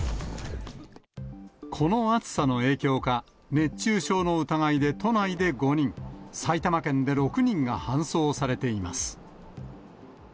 この暑さの影響か、熱中症の疑いで都内で５人、埼玉県で６人が搬送されています。